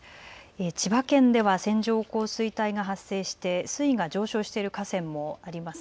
千葉県では線状降水帯が発生して水位が上昇している河川もあります。